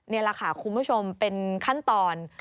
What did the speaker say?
นี่แหละค่ะคุณผู้ชมเป็นขั้นตอน